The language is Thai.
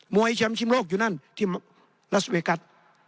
วยแชมป์ชิมโลกอยู่นั่นที่รัสเวกัส